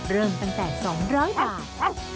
เริ่มตั้งแต่๒๐๐บาท